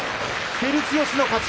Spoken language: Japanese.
照強の勝ち。